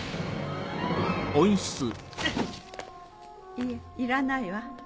いえいらないわ。